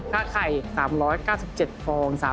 ค่าไข่๓๙๗ฟอง๓๙๗